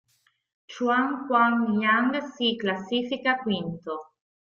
Chuan-Kwang Yang si classifica quinto.